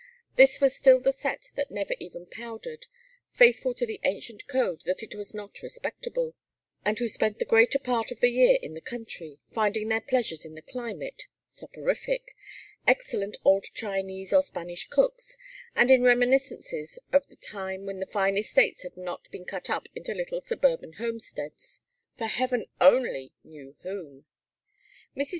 This was still the set that never even powdered, faithful to the ancient code that it was not respectable, and who spent the greater part of the year in the country, finding their pleasures in the climate soporific excellent old Chinese or Spanish cooks, and in reminiscences of the time when the fine estates had not been cut up into little suburban homesteads for heaven only knew whom. Mrs.